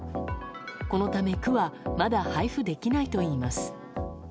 このため、区はまだ配布できないといいます。